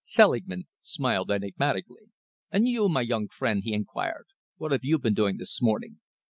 Selingman smiled enigmatically. "And you, my young friend," he enquired, "what have you been doing this morning?"